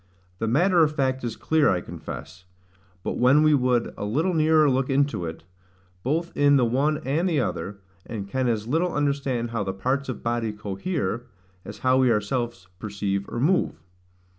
The matter of fact is clear, I confess; but when we would a little nearer look into it, both in the one and the other; and can as little understand how the parts of body cohere, as how we ourselves perceive or move.